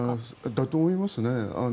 だと思いますね。